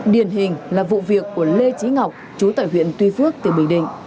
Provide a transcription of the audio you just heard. điển hình là vụ việc của lê chí ngọc chú tại huyện tuy phước tỉa bình định